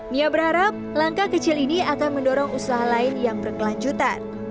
nia berharap langkah kecil ini akan mendorong usaha lain yang berkelanjutan